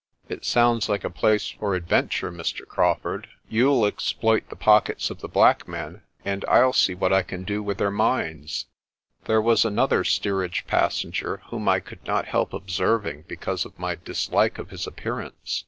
It sounds like a place for adventure, Mr. Crawfurd. You'll exploit the pockets of the black men and I'll see what I can do with their minds." There was another steerage passenger whom I could not help observing because of my dislike of his appearance.